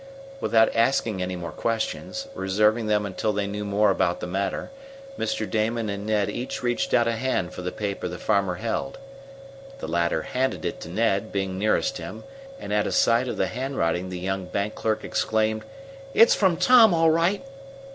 Without asking any more questions, reserving them until they knew more about the matter, Mr. Damon and Ned each reached out a hand for the paper the farmer held. The latter handed it to Ned, being nearest him, and at a sight of the handwriting the young bank clerk exclaimed: "It's from Tom, all right!"